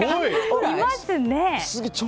いますね。